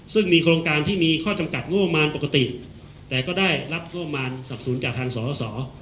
ซึ่งมีโครงการที่มีข้อจำกัดโงมานปกติแต่ก็ได้รับโงมานสรรสุนจากทางสอสส